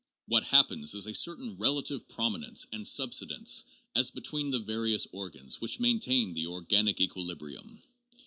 What happens is a certain relative prominence and subsidence as between the various organs which maintain the organic equilibrium.